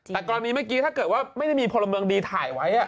แต่กรณีเมื่อกี้ถ้าเกิดว่าไม่ได้มีพลเมืองดีถ่ายไว้